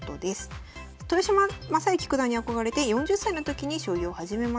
「豊島将之九段に憧れて４０歳の時に将棋を始めました。